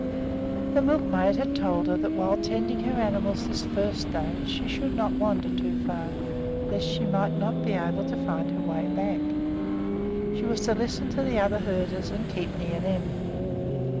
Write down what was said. The milkmaid had told her that while tending her animals this first day she should not wander too far, lest she might not be able to find her way back. She was to listen to the other herders and keep near them.